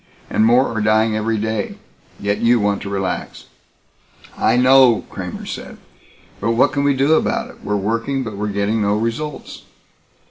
And more are dying every day. Yet you want to relax." "I know," Kramer said, "but what can we do about it. We're working but we're getting no results."